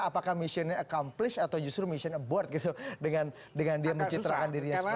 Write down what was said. apakah mission accomplished atau justru mission abort gitu dengan dia mencitrakan dirinya seperti itu